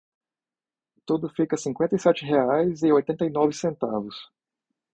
Tudo fica cinquenta e sete reais e oitenta e nove centavos.